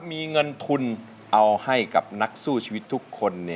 มีเงินทุนเอาให้กับนักสู้ชีวิตทุกคน